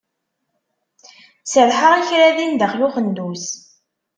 Serḥeɣ i kra din daxel n uxendus.